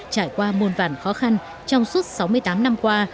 trải qua môn vản khó khăn trong suốt sáu mươi tám năm qua